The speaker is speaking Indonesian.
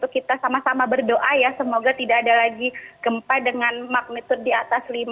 kita sama sama berdoa ya semoga tidak ada lagi gempa dengan magnitud di atas lima